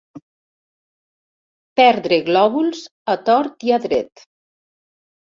Perdre glòbuls a tort i a dret.